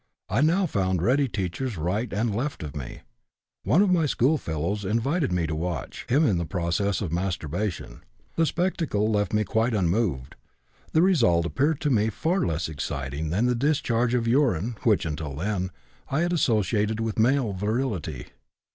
I now found ready teachers right and left of me. One of my schoolfellows invited me to watch; him in the process of masturbation; the spectacle left me quite unmoved; the result appeared to me far less exciting than the discharge of urine which, until then, I had associated with male virility.